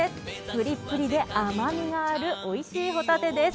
プリップリで甘みがあるおいしいホタテです。